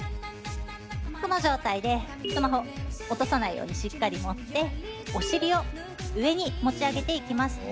この状態でスマホ落とさないようにしっかり持ってお尻を上に持ち上げていきます。